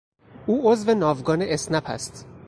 او عضو ناوگان اسنپ است.